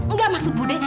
nggak maksud budi